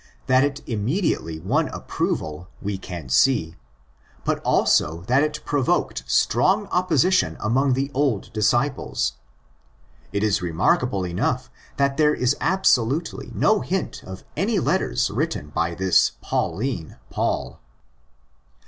That it immediately won approval we can see; but also that it provoked strong opposition among the old disciples. It is remarkable enough that there is absolutely no hint of any letters written by this Pauline Paul.